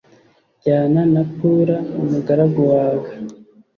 jyana na pura umugaragu wawe